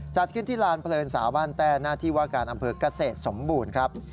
จัดขึ้นที่ลานเพลินสาวบ้านแต้หน้าที่ว่าการอำเภอกเกษตรสมบูรณ์ครับ